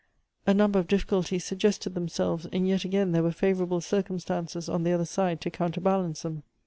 A number of difficulties suggested themselves, and yet again there were favorable circumstances on the other side to coun terbalance them.